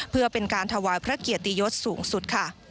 เพื่อเป็นการถวายพระเกียรติยศสูงสุดค่ะ